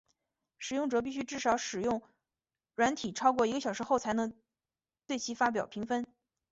使用者必须至少使用软体超过一个小时后才能对其发表评分。